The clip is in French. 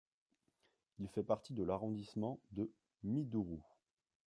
Il fait partie de l'arrondissement de Mindourou.